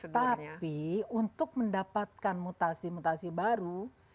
tapi untuk mendapatkan mutasi mutasi baru